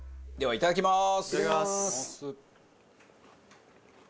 いただきます。